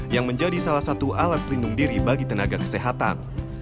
yang menjadi salah satu alat pelindung diri bagi tenaga kesehatan